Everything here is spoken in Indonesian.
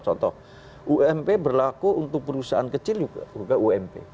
contoh ump berlaku untuk perusahaan kecil juga ump